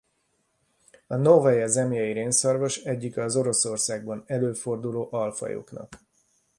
A Novaja Zemlja-i rénszarvas egyike az Oroszországban előforduló alfajoknak.